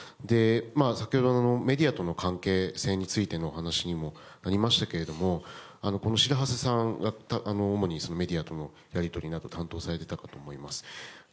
先ほど、メディアとの関係性についてのお話にもありましたが白波瀬さんは主にメディアとのやり取りなどを担当されていたかと思います。